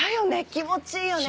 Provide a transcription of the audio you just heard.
気持ちいいよね。